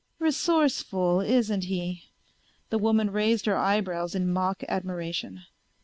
"Resourceful, isn't he?" The woman raised her eyebrows in mock admiration.